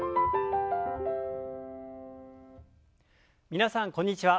皆さんこんにちは。